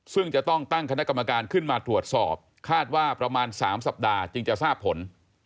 ซึ่งจะต้องตั้งคณะกรรมการขึ้นมาตรวจสอบคาดว่าประมาณ๓สัปดาห์จึงจะทราบผล